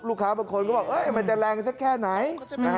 ลูกค้าบางคนก็บอกมันจะแรงที่แค่ไหน